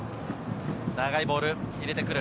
長いボールを入れてくる。